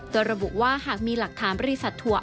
โดยระบุว่าหากมีหลักฐานบริษัททัวร์